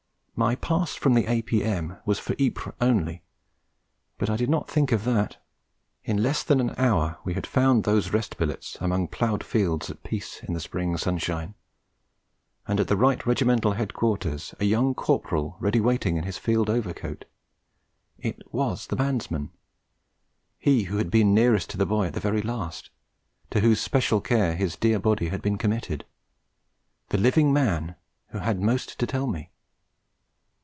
My pass from the A.P.M. was for Ypres only, but I did not think of that. In less than an hour we had found those rest billets among ploughed fields at peace in the spring sunshine; and at the right regimental headquarters, a young Corporal ready waiting in his field overcoat. It was the bandsman: he who had been nearest to the boy at the very last, to whose special care his dear body had been committed. The living man who had most to tell me!